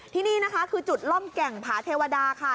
ที่นี่นะคะคือจุดล่องแก่งผาเทวดาค่ะ